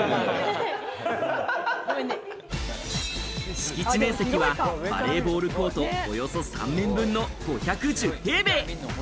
敷地面積はバレーボールコートおよそ３面分の５１０平米。